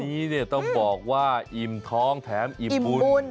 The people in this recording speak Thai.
นี้ต้องบอกว่าอิ่มท้องแถมอิ่มบุญ